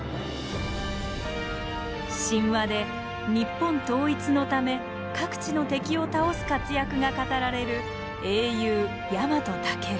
神話で日本統一のため各地の敵を倒す活躍が語られる英雄ヤマトタケル。